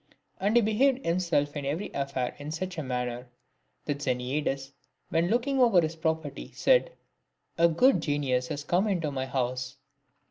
And he behaved himself in every affair in such a manner, that Xeniades, when looking over his property, said, " A good genius has come into my house."